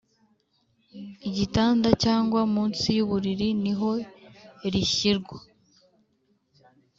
igitanda cyangwa munsi yuburiri niho rishyirwa